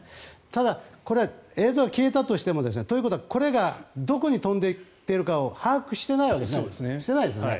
ただ、これは映像は消えたとしてもこれがどこに飛んで行ってるかを把握していないわけですよね。